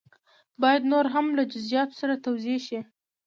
باید نور هم له جزیاتو سره توضیح شي.